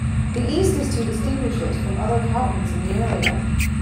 The East is to distinguish it from other Cowtons in the area.